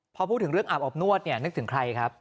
พอพูดถึงเรื่องอาบอบนวดเนี่ยนึกถึงใครครับ